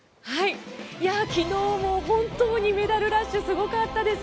昨日も本当にメダルラッシュすごかったです。